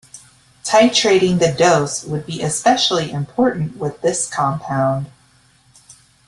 Titrating the dose would be especially important with this compound.